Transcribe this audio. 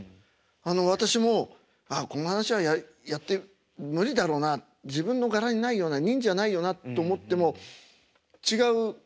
あの私もこの噺はやって無理だろうな自分の柄にないような任じゃないよなと思っても違う